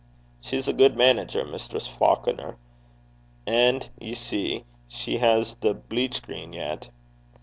'She's a gude manager, Mistress Faukner. And, ye see, she has the bleachgreen yet.'